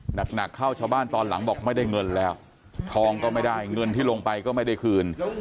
หนักเข้าชาวบ้านตอนหลังบอกไม่ได้เงินแล้วทองก็ไม่ได้เงินที่ลงไปก็ไม่ได้คืน